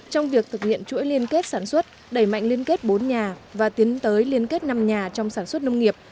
trong việc thực hiện chuỗi liên kết sản xuất đẩy mạnh liên kết bốn nhà và tiến tới liên kết năm nhà trong sản xuất nông nghiệp